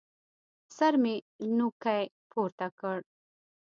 سر مې نوکى پورته کړ.